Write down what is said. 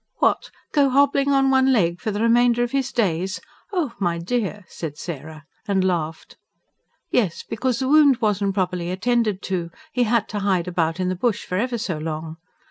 "What! go hobbling on one leg for the remainder of his days? Oh, my dear!" said Sarah, and laughed. "Yes, because the wound wasn't properly attended to he had to hide about in the bush, for ever so long.